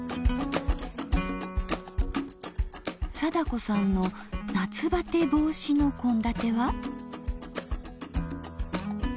貞子さんの夏バテ防止の献立は？